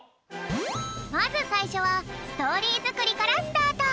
まずさいしょはストーリーづくりからスタート！